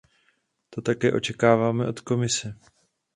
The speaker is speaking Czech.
To také očekáváme od Komise.